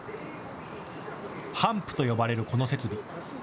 ハンプと呼ばれるこの設備。